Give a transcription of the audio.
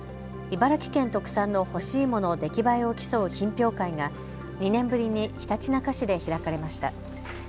茨城県特産の干し芋の出来栄えを競う品評会が２年ぶりにひたちなか市で開かれました。